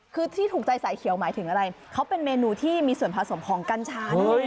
คือที่ถูกใจสายเขียวหมายถึงอะไรเขาเป็นเมนูที่มีส่วนผสมของกัญชานะ